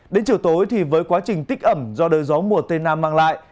đến chiều tối thì với quá trình tích ẩm do đời gió mùa tây nam mang lại